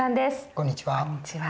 こんにちは。